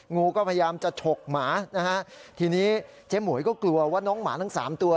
งูก็พยายามจะฉกหมานะฮะทีนี้เจ๊หมวยก็กลัวว่าน้องหมาทั้งสามตัว